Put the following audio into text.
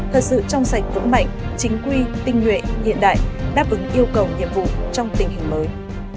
thật sự trong sạch vững mạnh chính quy tinh nguyện hiện đại đáp ứng yêu cầu nhiệm vụ trong tình hình mới